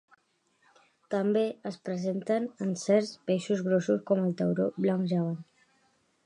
També es presenta en certs peixos grossos, com el tauró blanc gegant.